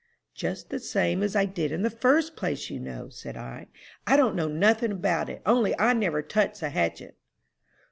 "'Just the same as I did in the first place, you know,' said I. 'I don't know nothing about it, only I never touched the hatchet!'"